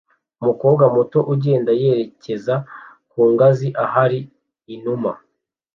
Umukobwa muto agenda yerekeza ku ngazi ahari inuma